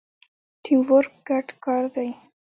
ټیم ورک ګډ کار دی